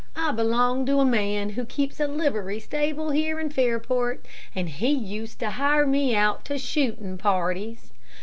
I belonged to a man who keeps a livery stable here in Fairport, and he used to hire me out to shooting parties.